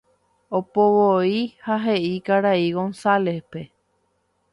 Opovoi ha he'i karai González-pe.